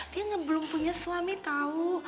dia belum punya suami tahu